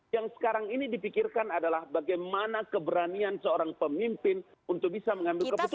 yang sekarang ini dipikirkan adalah bagaimana keberanian seorang pemimpin untuk bisa mengambil keputusan